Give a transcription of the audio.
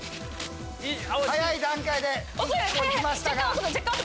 早い段階で１個いきましたが。